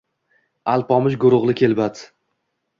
Alpomish Go’ro’g’li kelbati